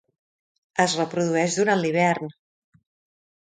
Es reprodueix durant l'hivern.